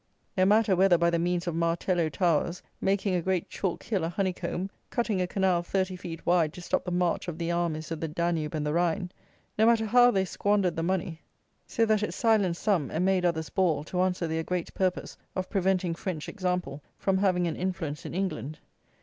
No matter whether by the means of Martello Towers, making a great chalk hill a honey comb, cutting a canal thirty feet wide to stop the march of the armies of the Danube and the Rhine: no matter how they squandered the money, so that it silenced some and made others bawl to answer their great purpose of preventing French example from having an influence in England.